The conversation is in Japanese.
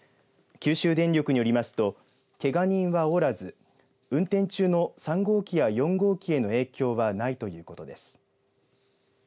九州電力によりますとけが人はおらず運転中の３号機や４号機への影響はないということです。